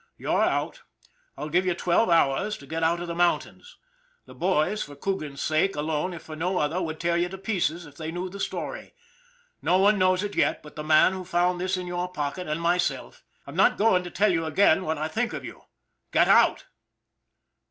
' You're out ! I'll give you twelve hours to get out of the mountains. The boys, for Coogan's sake alone if for no other, would tear you to pieces if they knew the story. No one knows it yet but the man who found this in your pocket and myself. I'm not going to tell you again what I think of you get out!